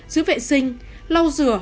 giữ vệ sinh lau rửa